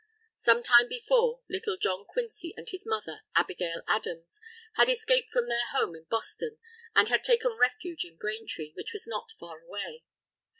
Sometime before, little John Quincy and his mother, Abigail Adams, had escaped from their home in Boston, and had taken refuge in Braintree, which was not far away.